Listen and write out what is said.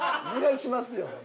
お願いしますよ